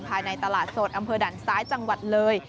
ภายในตลาดสดอำเภอด่านซ้ายจังหวัดเลย